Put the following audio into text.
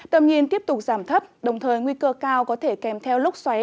tầm nhìn tiếp tục giảm thấp đồng thời nguy cơ cao có thể kèm theo lúc xoáy